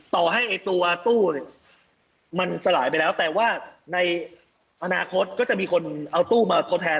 ต่อให้ตัวตู้มันสลายไปแล้วแต่ว่าในอนาคตก็จะมีคนเอาตู้มาทดแทน